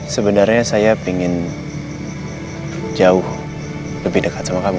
sebenernya saya ingin jauh lebih dekat sama kamu